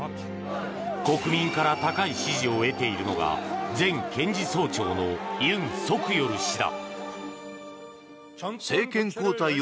国民から高い支持を得ているのが前検事総長のユン・ソクヨル氏だ。